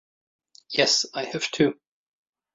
Yes, I have two.